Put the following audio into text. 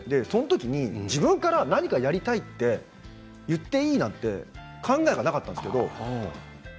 自分から何かやりたいって言っていいなんていう考えがなかったんです。